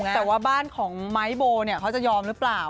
แต่ว่าบ้านของไม้โบเนี่ยเขาจะยอมหรือเปล่า